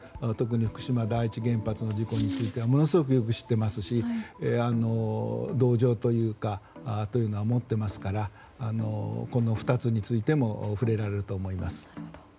特に福島第一原発の事故についてはものすごくよく知っていますし同情というものは持っていますからこの２つについても触れられると思います。